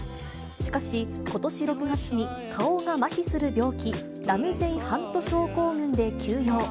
しかし、ことし６月に顔がまひする病気、ラムゼイ・ハント症候群で休養。